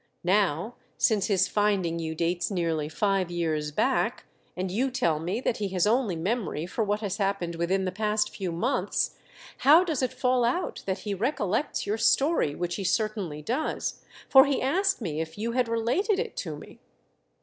Now, since his finding you dates nearly five years back, and you tell me that he has only memory for what happened within the past few months, how does it fall out that he recollects your story, which he certainly does, for he asked me if you had related it to me